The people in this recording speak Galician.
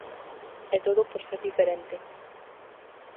E todo por ser diferente.